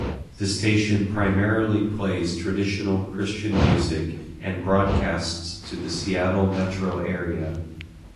The station primarily plays traditional Christian music and broadcasts to the Seattle metro area.